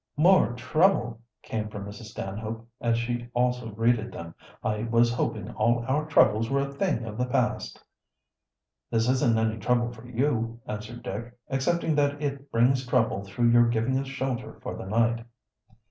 "More trouble!" came from Mrs. Stanhope, as she also greeted them. "I was hoping all our troubles were a thing of the past." "This isn't any trouble for you," answered Dick. "Excepting that it brings trouble through your giving us shelter for the night."